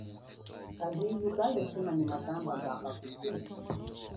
Kahilu kalia shima nyi matamba mba kakutshile.